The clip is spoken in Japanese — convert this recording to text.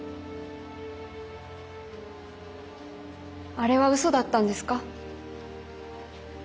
あれはうそだったんですか？